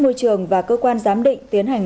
môi trường và cơ quan giám định tiến hành